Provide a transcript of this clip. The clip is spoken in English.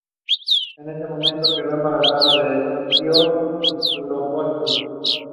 Millican was very active in sports at the Naval Academy.